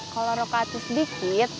kalau lokat sedikit